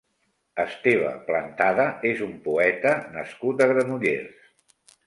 Esteve Plantada és un poeta nascut a Granollers.